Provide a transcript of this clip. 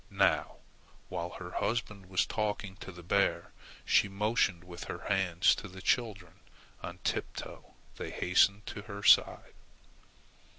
Now, while her husband was talking to the bear, she motioned with her hands to the children. On tiptoe they hastened to her side.